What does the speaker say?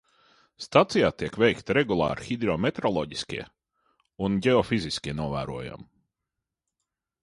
Stacijā tiek veikti regulāri hidrometeoroloģiskie un ģeofiziskie novērojumi.